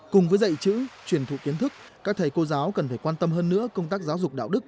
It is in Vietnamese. cùng với dạy chữ truyền thụ kiến thức các thầy cô giáo cần phải quan tâm hơn nữa công tác giáo dục đạo đức